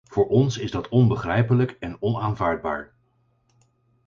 Voor ons is dat onbegrijpelijk en onaanvaardbaar.